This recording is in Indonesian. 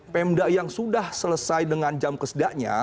pemda yang sudah selesai dengan jam kesedaknya